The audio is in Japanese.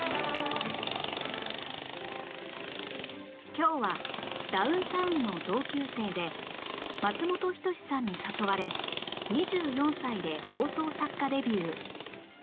今日はダウンタウンの同級生で松本人志さんに誘われ２４歳で放送作家デビュー